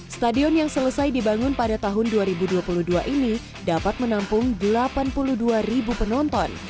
stadion yang selesai dibangun pada tahun dua ribu dua puluh dua ini dapat menampung delapan puluh dua ribu penonton